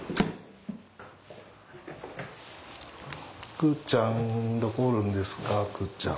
くうちゃんどこおるんですかくうちゃん。